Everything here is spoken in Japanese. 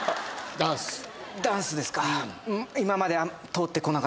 ダンスダンスですか？